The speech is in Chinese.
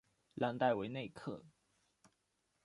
朗代韦内克。